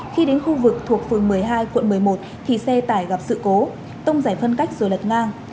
khi đến khu vực thuộc phường một mươi hai quận một mươi một thì xe tải gặp sự cố tông giải phân cách rồi lật ngang